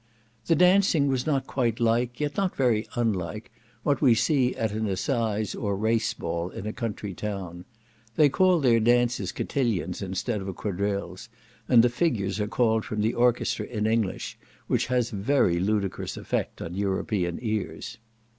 The dancing was not quite like, yet not very unlike, what we see at an assize or race ball in a country town. They call their dances cotillions instead of quadrilles, and the figures are called from the orchestra in English, which has very ludicrous effect on European ears.